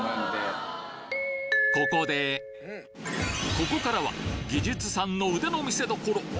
ここからは技術さんの腕の見せどころ！